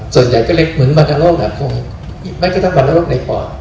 ส่วนใหญ่ก็เหมือนบรรยารโลกกั่นด้วยไม่ต้องบรรยารโลกในป่อด